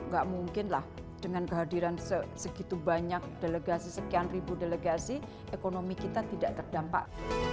gak mungkin lah dengan kehadiran segitu banyak delegasi sekian ribu delegasi ekonomi kita tidak terdampak